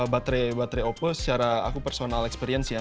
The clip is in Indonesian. baterai opo secara aku personal experience ya